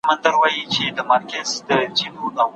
موږ به ځو کاروان به درومي سپي دي خوشي وي غپا ته